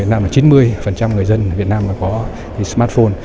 chín mươi người dân việt nam có smartphone